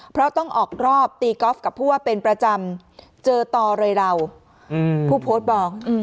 เพราะต้องออกรอบตีกอล์ฟกับผู้ว่าเป็นประจำเจอต่อเลยเราผู้โพสต์บอก